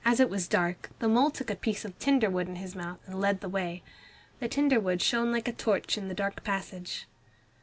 As it was dark the mole took a piece of tinder wood in his mouth and led the way. The tinder wood shone like a torch in the dark passage.